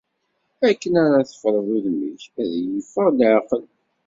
Akken ara teffreḍ udem-ik, a y-iffeɣ leɛqel.